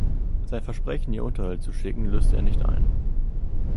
Sein Versprechen, ihr Unterhalt zu schicken, löste er nicht ein.